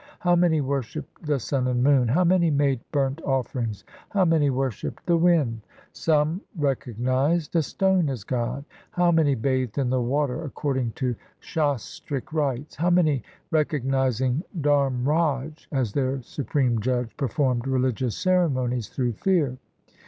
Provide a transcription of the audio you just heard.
How many worshipped the sun and moon ! How many made burnt offerings ! how many worshipped the wind ! Some recognized a stone as God. How many bathed in the water according to Shastrik rites! How many, recognizing Dharmraj as their supreme judge, Performed religious ceremonies through fear